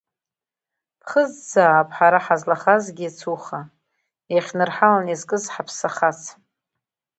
Ԥхыӡзаап ҳара ҳазлахазгьы иацуха, иахьнырҳалан изкыз ҳаԥсы ахац.